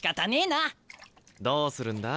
どうするんだ？